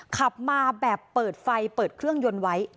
ขับมาแบบเปิดไฟเปิดเครื่องยนต์ไว้